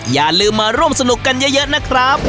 อย่าลืมมาร่วมสนุกกันเยอะนะครับ